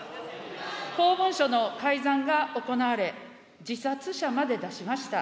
公文書の改ざんが行われ、自殺者まで出しました。